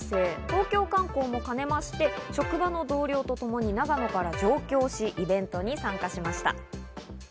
東京観光も兼ねまして、職場の同僚とともに長野から上京し、イベントに参加しました。